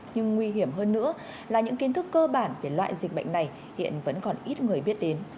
nhưng nguy hiểm hơn nữa là những kiến thức cơ bản về loại dịch bệnh này hiện vẫn còn ít người biết đến